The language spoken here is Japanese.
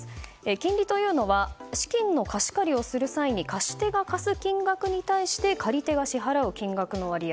金利というのは資金の貸し借りをする際に貸し手が貸す金額に対して借り手が支払う金額の割合。